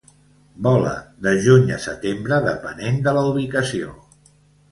Vola de juny a setembre, depenent de la ubicació.